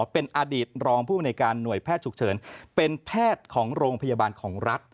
เป็นอดีตรองผู้บริการหน่วยแพทย์ฉุกเฉินเป็นแพทย์ของโรงพยาบาลของรัฐ